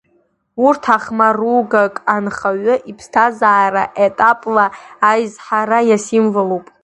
Урҭ ахмаругак анхаҩы иԥсҭазаара етапла аизҳара иасимволуп.